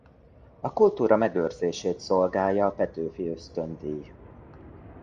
A kultúra megőrzését szolgálja a Petőfi-ösztöndíj.